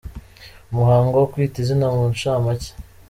Umuhango wo Kwita Izina mu nshamake.